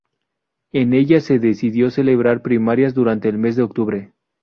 En ella se decidió celebrar primarias durante el mes de octubre.